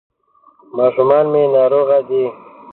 ماشومان مي ناروغه دي ..